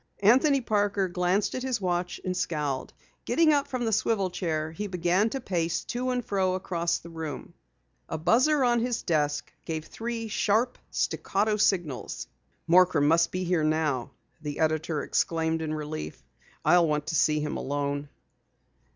Anthony Parker glanced at his watch and scowled. Getting up from the swivel chair he began to pace to and fro across the room. A buzzer on his desk gave three sharp, staccato signals. "Morcrum must be here now!" the editor exclaimed in relief. "I'll want to see him alone."